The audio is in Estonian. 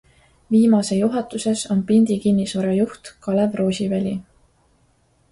Viimase juhatuses on Pindi Kinnisvara juht Kalev Roosiväli.